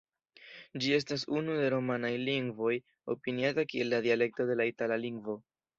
Ĝi estas unu de romanaj lingvoj opiniata kiel la dialekto de la itala lingvo.